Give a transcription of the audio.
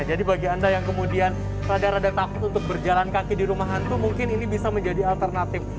jadi bagi anda yang kemudian rada rada takut untuk berjalan kaki di rumah hantu mungkin ini bisa menjadi alternatif